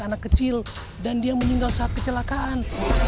anak kecil dan dia meninggal saat kecelakaan